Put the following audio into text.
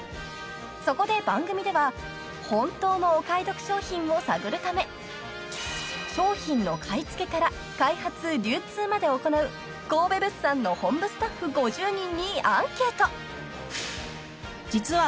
［そこで番組では本当のお買い得商品を探るため商品の買い付けから開発流通まで行う神戸物産の本部スタッフ５０人にアンケート］